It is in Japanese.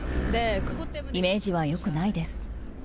イメージはよくないです。